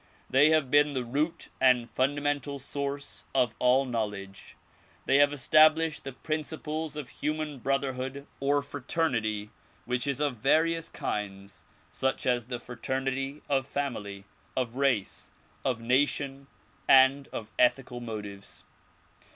They have been the root and fundamental source of all knowledge. They have established the principles of human brotherhood or fraternity which is of various kinds, such as the fraternity of family, of race, of nation and of ethical motives.